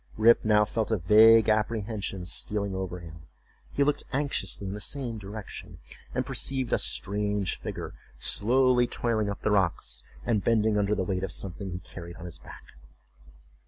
Rip now felt a vague apprehension stealing over him; he looked anxiously in the same direction, and perceived a strange figure slowly toiling up the rocks, and bending under the weight of something he carried on his back.